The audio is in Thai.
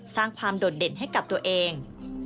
สร้างความโดดเด่นให้กับตัวเอง